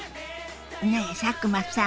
ねえ佐久間さん。